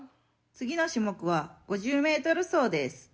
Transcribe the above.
「次の種目は５０メートル走です」。